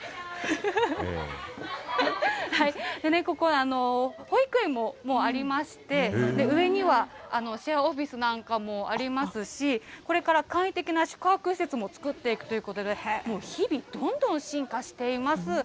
ここ、保育園もありまして、上にはシェアオフィスなんかもありますし、これから簡易的な宿泊施設も作っていくということで、もう日々、どんどん進化しています。